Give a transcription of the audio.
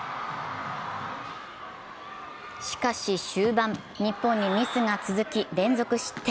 しかし終盤日本にミスが続き連続失点。